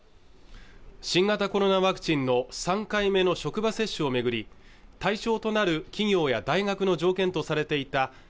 新型コロナワクチンの３回目の職場接種を巡り対象となる企業や大学の条件とされていた